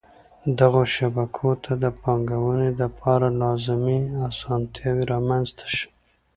دغو شبکو ته د پانګوني دپاره لازمی اسانتیاوي رامنځته شي.